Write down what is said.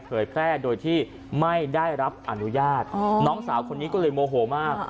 แพร่โดยที่ไม่ได้รับอนุญาตน้องสาวคนนี้ก็เลยโมโหมาก